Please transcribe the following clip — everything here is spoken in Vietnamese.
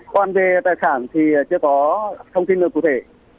còn về tài sản thì chưa có thông tin được cụ thể